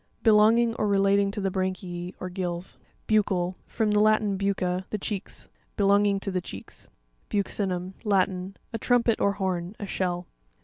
— Belonging or relating to the branchie, or gills. Buc'cau.—F rom the Latin bucce, the cheeks. Belonging to the cheeks. Buc'cinum.— Latin. A trumpet or horn ; a shell.